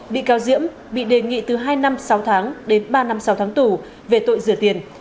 bị cáo diễm bị đề nghị từ hai năm sáu tháng đến ba năm sáu tháng tù về tội rửa tiền